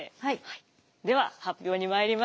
では発表にまいります。